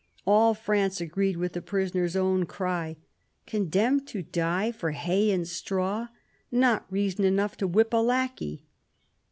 All France agreed with the prisoner's own cry :" Condemned to die for hay and straw! Not reason enough to whip a lackey!"